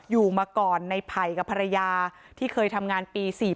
อยู่มาก่อนในไผ่กับภรรยาที่เคยทำงานปี๔๔